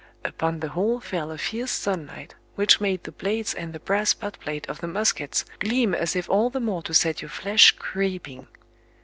Upon the whole fell a fierce sunlight, which made the blades and the brass butt plate of the muskets gleam as if all the more to set your flesh creeping.